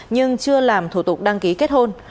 nhưng chưa làm thủ tục đăng ký kết hôn